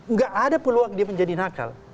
nggak ada peluang dia menjadi nakal